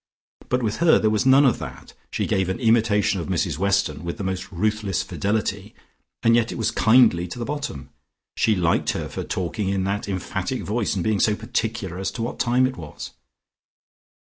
But with her there was none of that, she gave an imitation of Mrs Weston with the most ruthless fidelity, and yet it was kindly to the bottom. She liked her for talking in that emphatic voice and being so particular as to what time it was.